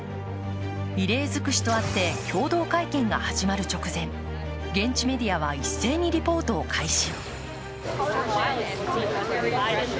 異例尽くしとあって共同会見が始まる直前現地メディアは一斉にリポートを開始。